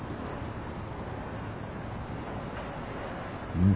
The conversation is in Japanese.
うん。